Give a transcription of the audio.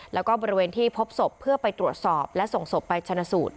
แล้วก็บริเวณที่พบศพเพื่อไปตรวจสอบและส่งศพไปชนะสูตร